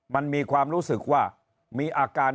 มันมีความรู้สึกว่ามีอาการ